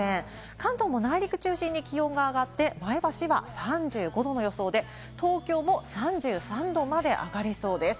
関東も内陸中心に気温が上がって、前橋は３５度の予想で、東京も３３度まで上がりそうです。